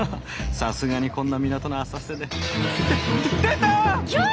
さすがにこんな港の浅瀬でって出たあ！